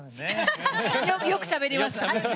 よくしゃべります。